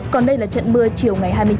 còn đây là trận mưa chiều ngày hai mươi chín